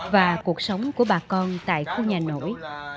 và cuộc sống của bà con tại khu nhà nổi